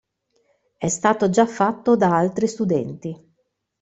È stato già fatto da altri studenti.